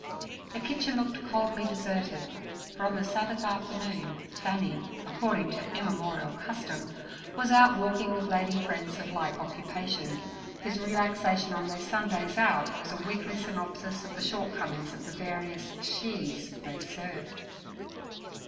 The kitchen looked coldly deserted, for on the Sabbath afternoon Fanny, according to immemorial custom, was out walking with lady friends of like occupation, whose relaxation on their Sundays out was a weekly synopsis of the shortcomings of the various 'shes' they served.